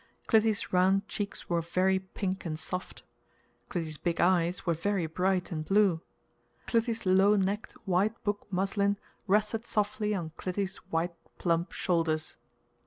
Clytie's round cheeks were very pink and soft. Clytie's big eyes were very bright and blue. Clytie's low necked white book muslin rested softly on Clytie's white, plump shoulders.